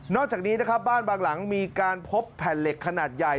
จากนี้นะครับบ้านบางหลังมีการพบแผ่นเหล็กขนาดใหญ่